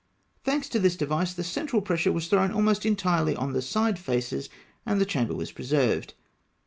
Thanks to this device, the central pressure was thrown almost entirely on the side faces, and the chamber was preserved.